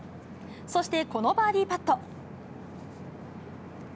そしてこのバーディーパット。